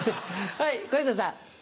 はい小遊三さん。